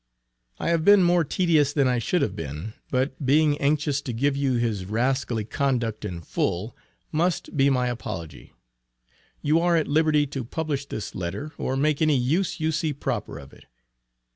I have been more tedious than I should have been, but being anxious to give you his rascally conduct in full, must be my apology. You are at liberty to publish this letter, or make any use you see proper of it.